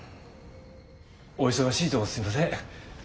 お忙しいとこすいません。